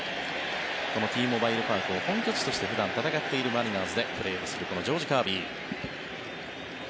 このＴモバイル・パークを本拠地として普段戦っているマリナーズでプレーをするこのジョージ・カービー。